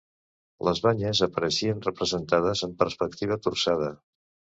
Les banyes apareixen representades amb perspectiva torçada.